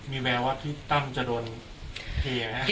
มีแมวว่าพี่ตำจะโดนเทไหมครับ